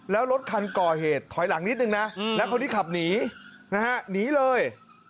แล้วรถคันก่อเหตุถอยหลังนิดนึงนะแล้วคนที่ขับหนีนะฮะหนีเลย